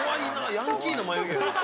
ヤンキーの眉毛やん。